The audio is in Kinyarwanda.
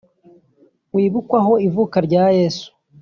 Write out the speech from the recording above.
wibukwaho ivuka rya Yezu